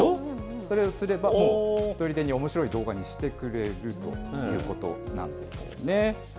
そうすればもう、ひとりでにおもしろい動画にしてくれるということなんですよね。